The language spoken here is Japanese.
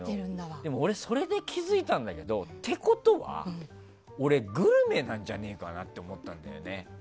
それで気づいたんだけどってことは、俺グルメなんじゃないかなって思ったんだよね。